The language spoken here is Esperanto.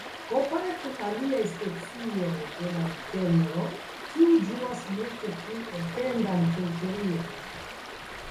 Kompare kun aliaj specioj de la genro, tiu ĝuas multe pli etendan teritorion.